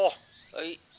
はい。